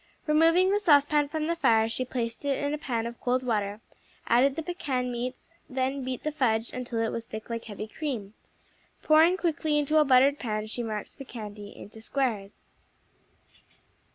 Removing the saucepan from the fire, she placed it in a pan of cold water, added the pecan meats, then beat the fudge until it was thick like heavy cream. Pouring quickly into a buttered pan, she marked the candy into squares.